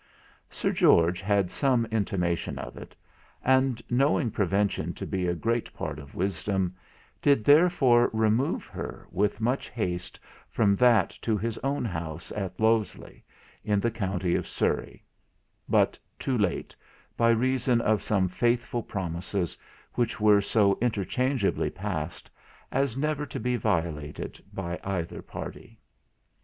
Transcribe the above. Sir George had some intimation of it, and, knowing prevention to be a great part of wisdom, did therefore remove her with much haste from that to his own house at Lothesley, in the County of Surrey; but too late, by reason of some faithful promises which were so interchangeably passed, as never to be violated by either party.